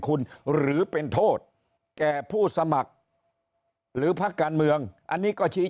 คุณหรือเป็นโทษแก่ผู้สมัครหรือพักการเมืองอันนี้ก็ชี้